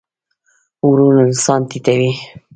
غرور انسان ټیټوي